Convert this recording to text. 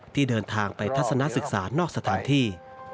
ที่เดินทางไปทัศนศึกษานอกสถานที่